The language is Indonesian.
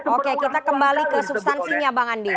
oke kita kembali ke substansinya bang andi